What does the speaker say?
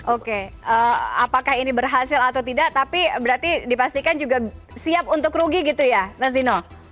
oke apakah ini berhasil atau tidak tapi berarti dipastikan juga siap untuk rugi gitu ya mas dino